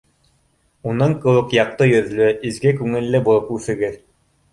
— Уның кеүек яҡты йөҙлө, изге күңелле булып үҫегеҙ.